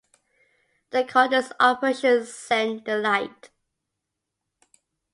They called this operation "Send the Light".